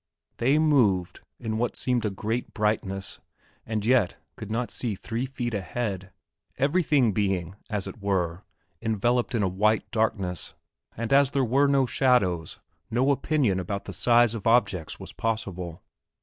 They moved in what seemed a great brightness and yet could not see three feet ahead, everything being, as it were, enveloped in a white darkness, and as there were no shadows no opinion about the size of objects was possible.